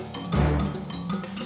lari keluar pondok